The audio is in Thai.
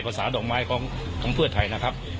ดอกไม้ของเพื่อไทยนะครับ